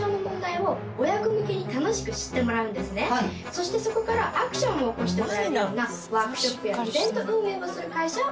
そしてそこからアクションを起こしてもらえるようなワークショップやイベント運営をする会社を。